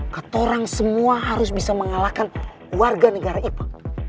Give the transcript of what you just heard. ketoran semua harus bisa mengalahkan warga negara ipa